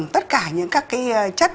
tất cả những các cái chất